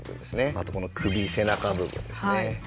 あと首・背中部分ですね。